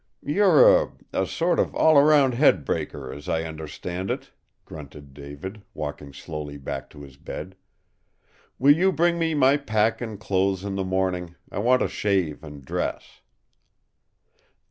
"You're a a sort of all round head breaker, as I understand it," grunted David, walking slowly back to his bed. "Will you bring me my pack and clothes in the morning? I want to shave and dress."